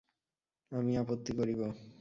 আমি আপত্তি করিব!